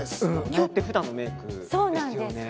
今日って普段のメイクですよね。